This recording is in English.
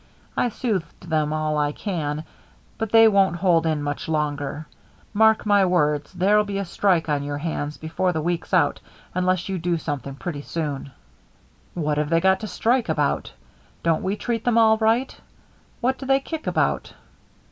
I soothed them all I can, but they won't hold in much longer. Mark my words, there'll be a strike on your hands before the week's out unless you do something pretty soon." "What have they got to strike about? Don't we treat them all right? What do they kick about?"